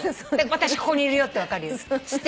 私ここにいるよって分かるように。